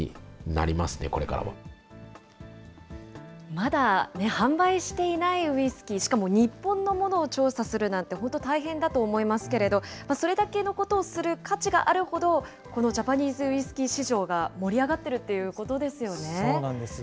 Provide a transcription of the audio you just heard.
まだ販売していないウイスキー、しかも日本のものを調査するなんて、本当、大変だと思いますけれど、それだけのことをする価値があるほど、このジャパニーズウイスキー市場が盛り上がっているということでそうなんですよ。